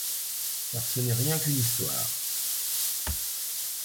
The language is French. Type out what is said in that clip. Car ce n’est rien qu’une histoire.